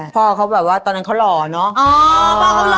พ่อเขาแบบว่าตอนนั้นเขาหล่อเนอะ